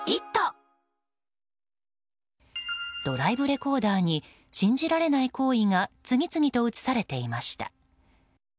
ドライブレコーダーに信じられない行為が次々と映されていました。